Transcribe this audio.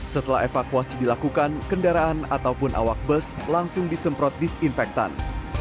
setelah evakuasi dilakukan kendaraan ataupun awak bus langsung disemprot disinfektan